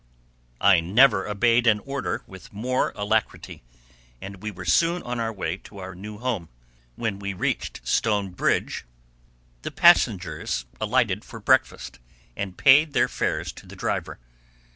I never obeyed an order with more alacrity, and we were soon on our way to our new home. When we reached "Stone Bridge" the passengers alighted for breakfast, and paid their fares to the driver.